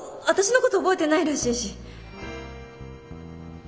私のこと覚えてないらしいし。